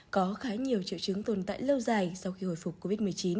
có khá nhiều triệu chứng tồn tại lâu dài sau khi hồi phục covid một mươi chín